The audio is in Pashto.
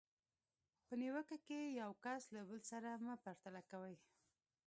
په نیوکه کې یو کس له بل سره مه پرتله کوئ.